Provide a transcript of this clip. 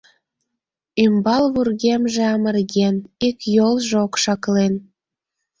Ӱмбал вургемже амырген, ик йолжо окшаклен.